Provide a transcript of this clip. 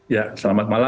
ya selamat malam